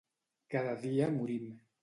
Cada dia morim.